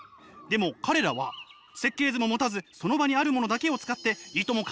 でも彼らは設計図も持たずその場にあるものだけを使っていとも